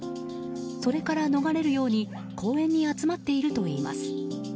それから逃れるように公園に集まっているといいます。